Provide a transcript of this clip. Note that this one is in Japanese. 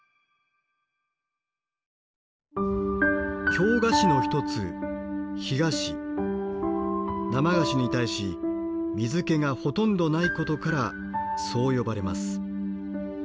京菓子の一つ生菓子に対し水けがほとんどないことからそう呼ばれます。